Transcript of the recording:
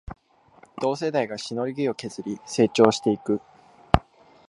同世代がしのぎを削り成長していく